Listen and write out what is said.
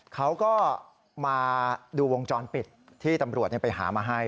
เขาก็มาดูวงจรปิดที่ตำรวจไปหามาให้